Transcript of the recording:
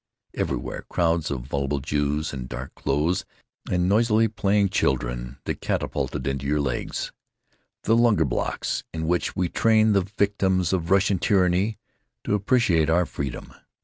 Everywhere crowds of voluble Jews in dark clothes, and noisily playing children that catapulted into your legs. The lunger blocks in which we train the victims of Russian tyranny to appreciate our freedom.